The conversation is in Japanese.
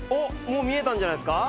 もう見えたんじゃないですか？